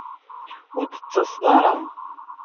Ur d-tettaseḍ ara